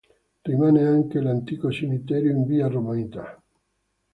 Rimane anche l'antico cimitero in via Romita.